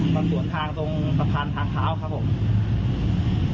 มันสวนทางตรงสะพานทางเท้าครับผม